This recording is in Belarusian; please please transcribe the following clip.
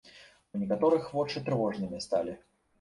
У некаторых вочы трывожнымі сталі.